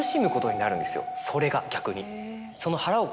それが逆に。